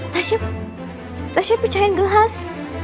tasya tasya pecahin gelas